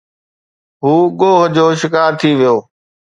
هو کوهه جو شڪار ٿي ويو